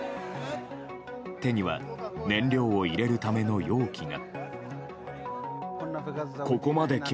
手には燃料を入れるための容器が。